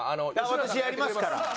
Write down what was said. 私やりますから。